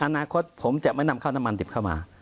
อนาคตผมจะไม่นำข้าวน้ำมันดิบเข้ามา